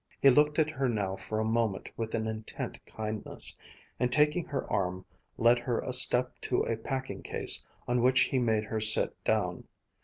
He looked at her now for a moment with an intent kindness, and taking her arm led her a step to a packing case on which he made her sit down.